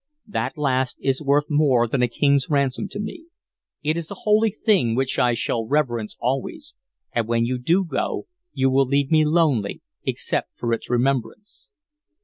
That last is worth more than a king's ransom to me. It is a holy thing which I shall reverence always, and when you go you will leave me lonely except for its remembrance."